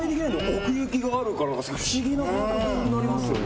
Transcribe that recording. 奥行きがあるから不思議な感覚になりますよね・